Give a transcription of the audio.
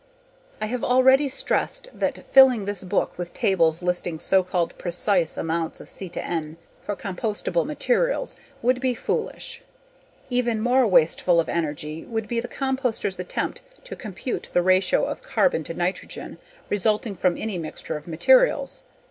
I have already stressed that filling this book with tables listing so called precise amounts of C/N for compostable materials would be foolish. Even more wasteful of energy would be the composter's attempt to compute the ratio of carbon to nitrogen resulting from any mixture of materials.